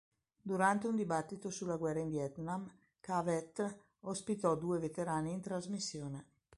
Durante un dibattito sulla guerra in Vietnam, Cavett ospitò due veterani in trasmissione.